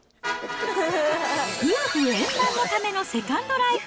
夫婦円満のためのセカンドライフ。